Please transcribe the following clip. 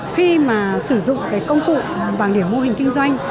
khi mà sử dụng cái công cụ bảng điểm mô hình kinh doanh